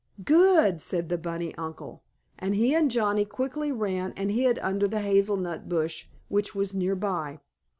"Good!" said the bunny uncle. And he and Johnnie quickly ran and hid under the hazel nut bush, which was nearby.